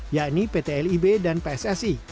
yakni pt lib dan pssi